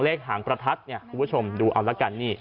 หางประทัดเนี่ยคุณผู้ชมดูเอาละกันนี่